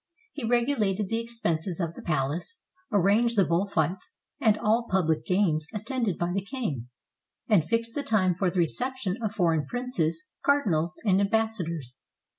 He regu lated the expenses of the palace, arranged the bull fights and all public games attended by the king, and fixed the time for the reception of foreign princes, cardinals, and ambassadors.